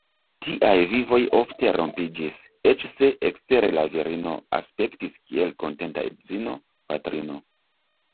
Tiaj vivoj ofte rompiĝis, eĉ se ekstere la virino aspektis kiel kontenta edzino, patrino.